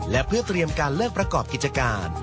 และเพื่อเตรียมการเลิกประกอบกิจการ